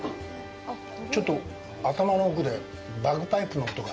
ちょっと頭の奥でバグパイプの音が。